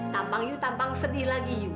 tampang lu tampang sedih lagi lu